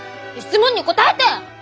質問に答えて！